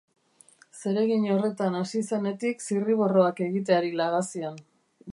Zeregin horretan hasi zenetik zirriborroak egiteari laga zion.